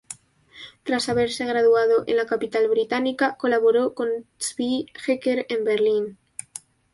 Tras haberse graduado en la capital británica, colaboró con Zvi Hecker en Berlín.